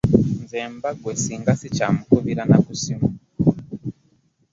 Nze mba ggwe ssinga ssikyamukubira na ssimu.